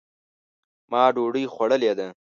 ما ډوډۍ خوړلې ده